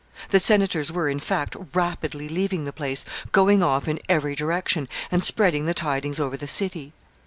The senators were, in fact, rapidly leaving the place, going off in every direction, and spreading the tidings over the city.